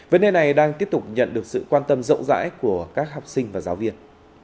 vấn đề này đang tiếp tục nhận được sự quan tâm rộng rãi của các học sinh và giáo viên